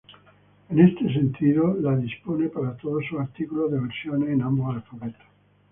En ese sentido, la dispone para todos sus artículos de versiones en ambos alfabetos.